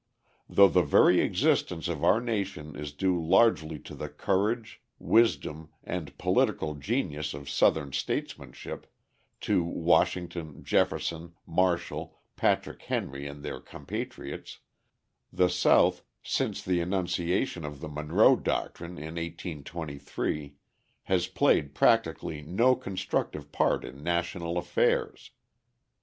Though the very existence of our nation is due largely to the courage, wisdom, and political genius of Southern statesmanship to Washington, Jefferson, Marshall, Patrick Henry, and their compatriots the South, since the enunciation of the Monroe doctrine in 1823, has played practically no constructive part in national affairs.